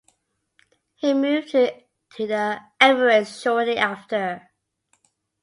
He moved to the Emirates shortly after.